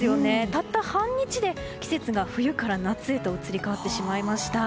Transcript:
たった半日で季節が冬から夏へと移り変わってしまいました。